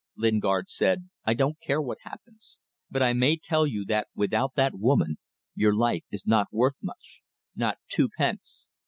Lingard said "I don't care what happens, but I may tell you that without that woman your life is not worth much not twopence.